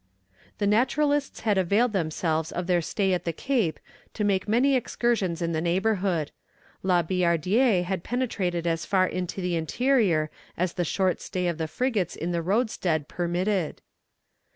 ] The naturalists had availed themselves of their stay at the Cape to make many excursions in the neighbourhood: La Billardière had penetrated as far into the interior as the short stay of the frigates in the roadstead permitted.